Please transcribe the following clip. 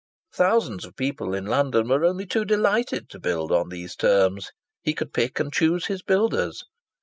Thousands of people in London were only too delighted to build on these terms; he could pick and choose his builders.